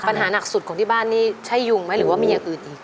หนักสุดของที่บ้านนี่ใช่ยุงไหมหรือว่ามีอย่างอื่นอีก